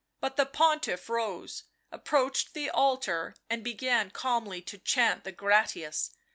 But the Pontiff rose, approached the altar and began calmly to chant the Gratias.